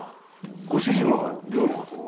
ご主人は料理は？